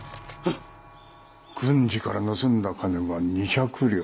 軍次から盗んだ金は２百両。